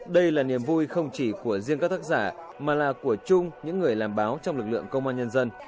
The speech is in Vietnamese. đây là niềm vui không chỉ của riêng các tác giả mà là của chung những người làm báo trong lực lượng công an nhân dân